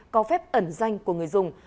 có phép ẩn danh của người dùng